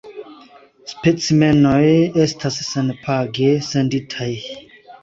Specimenoj estas senpage senditaj.